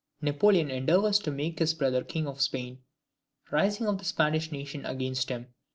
Napoleon endeavours to make his brother King of Spain. Rising of the Spanish nation against him.